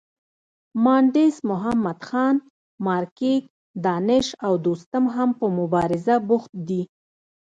مانډس محمدخان، ماکیک، دانش او دوستم هم په مبارزه بوخت دي.